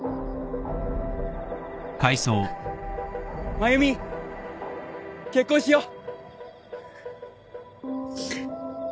繭美結婚しよう